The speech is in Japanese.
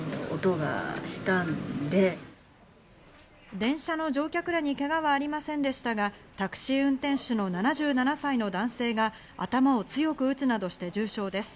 電車の乗客らにけがはありませんでしたが、タクシー運転手の７７歳の男性が頭を強く打つなどして重傷です。